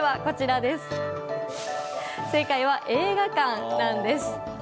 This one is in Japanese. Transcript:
正解は、映画館なんです。